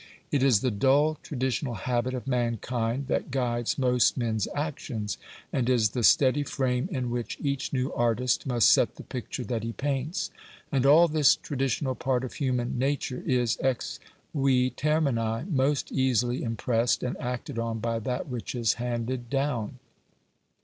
It is the dull traditional habit of mankind that guides most men's actions, and is the steady frame in which each new artist must set the picture that he paints. And all this traditional part of human nature is, ex vi termini, most easily impressed and acted on by that which is handed down.